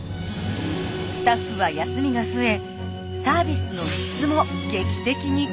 スタッフは休みが増えサービスの質も劇的に向上。